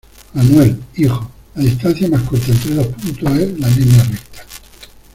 Manuel, hijo, la distancia mas corta entre dos puntos, es la línea recta